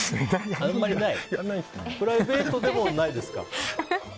プライベートでもないですか？